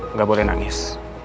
nggak boleh nangis